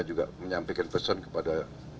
juga menyampaikan pesan kepada